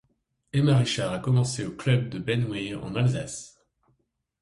Emma Richard a commencé au club de Bennwihr, en Alsace.